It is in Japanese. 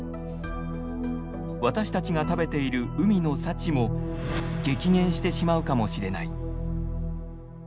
私たちが食べている海の幸も激減してしまうかもしれない。